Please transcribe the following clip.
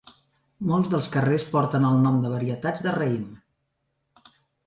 Molts dels carrers porten el nom de varietats de raïm.